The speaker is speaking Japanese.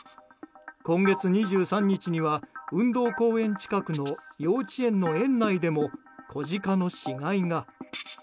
今月２３日には運動公園近くの幼稚園の園内でも子ジカの死骸が。